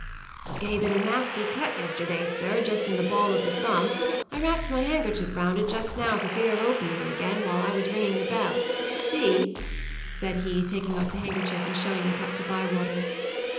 "I gave it a nasty cut yesterday, sir, just in the ball of the thumb. I wrapped my handkerchief round it just now, for fear of opening it again, while I was ringing the bell. See," said he, taking off the handkerchief and showing the cut to Bywater.